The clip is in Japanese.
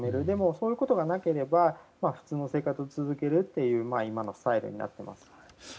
でもそういうことがなければ普通の生活を続けるという今のスタイルになっています。